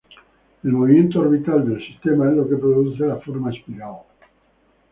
El movimiento orbital del sistema es lo que produce la forma espiral.